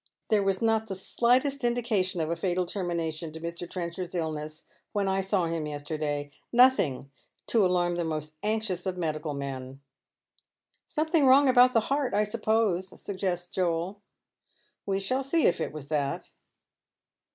" There was not the slightest indication of a fatal termination to Mr. Trenchard's illness when I saw him yesterday — ^nothing to alarm the most anxious of medical men." " Something wrong about the heart, I suppose," suggests Joel. " We shall see if it was that."